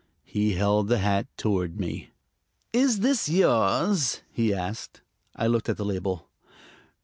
He held the hat toward me. "Is this yours?" he asked. I looked at the label.